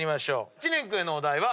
知念君へのお題は。